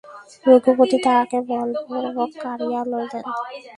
রঘুপতি তাহাকে বলপূর্বক কাড়িয়া লইলেন।